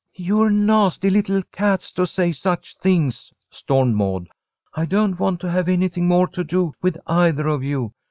"You're nasty little cats to say such things!" stormed Maud. "I don't want to have anything more to do with either of you.